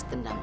gak ada bisa